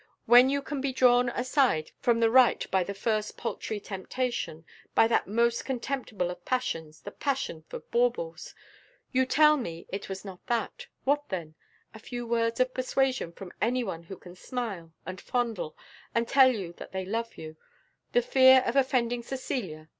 When you can be drawn aside from the right by the first paltry temptation by that most contemptible of passions the passion for baubles! You tell me it was not that, what then? a few words of persuasion from any one who can smile, and fondle, and tell you that they love you; the fear of offending Cecilia!